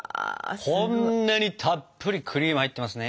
こんなにたっぷりクリーム入ってますね。